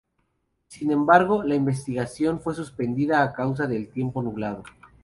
Sin embargo, la investigación fue suspendida a causa del tiempo nublado.